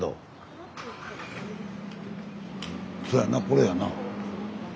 そやなこれやな。